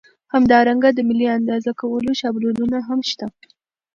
همدارنګه د ملي اندازه کولو شابلونونه هم شته.